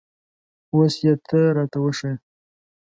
اوس یې ته را ته وښیه